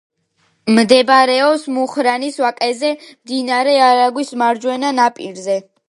მდებარეობს მუხრანის ვაკეზე, მდინარე არაგვის მარჯვენა ნაპირზე.